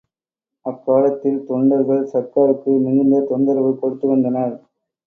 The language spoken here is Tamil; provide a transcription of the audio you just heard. அக்காலத்தில் தொண்டர்கள் சர்க்காருக்கு மிகுந்த தொந்தரவு கொடுத்து வந்தனர்.